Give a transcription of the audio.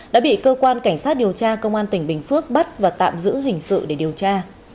đã bị cơ quan cảnh sát điều tra công an tỉnh bình phước bắt và tạm giữ hình sự để điều tra